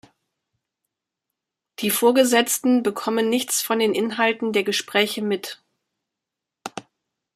Die Vorgesetzten bekommen nichts von den Inhalten der Gespräche mit.